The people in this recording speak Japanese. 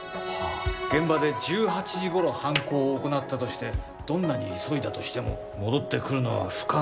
現場で１８時ごろ犯行を行ったとしてどんなに急いだとしても戻ってくるのは不可能。